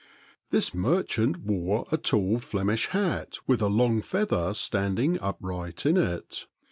This merchant wore a tall Flemish hat with a long feather standing upright in it.